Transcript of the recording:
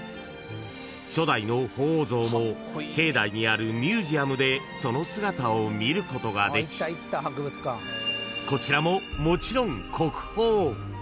［初代の鳳凰像も境内にあるミュージアムでその姿を見ることができこちらももちろん］